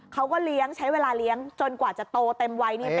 เขาก็เลี้ยงใช้เวลาเลี้ยงจนกว่าจะโตเต็มวัย